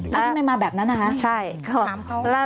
แล้วทำไมมาแบบนั้นน่ะคะขามเขานะครับใช่